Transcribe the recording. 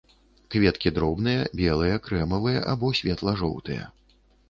Кветкі дробныя, белыя, крэмавыя або светла-жоўтыя.